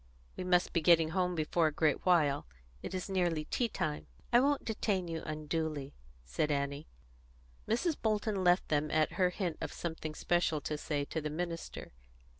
"We must be getting home before a great while. It is nearly tea time." "I won't detain you unduly," said Annie. Mrs. Bolton left them at her hint of something special to say to the minister.